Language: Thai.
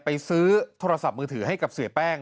ไปซื้อโทรศัพท์มือถือให้กับเสียแป้ง